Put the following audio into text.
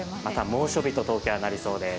猛暑日と東京はなりそうです。